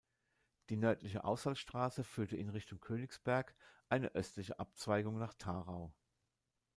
Die nördliche Ausfallstraße führte in Richtung Königsberg, eine östliche Abzweigung nach Tharau.